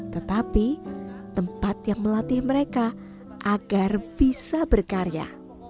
tetapi tempat yang melatih mereka agar bisa berkarya